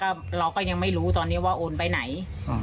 เราก็ยังไม่รู้ตอนนี้ว่าโอนไปไหน